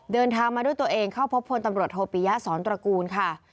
เดินทางมาด้วยตัวเองเข้าพบพลตำรวจโทปิยะสอนตระกูลค่ะ